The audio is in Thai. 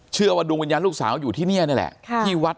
เชื่อว่าดวงวิญญาณลูกสาวอยู่ที่นี่นี่แหละที่วัด